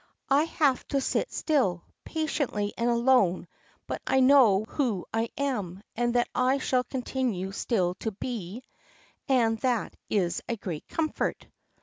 I have to sit still, patiently and alone; but I know who I am, and that I shall continue still to be, and that is a great comfort."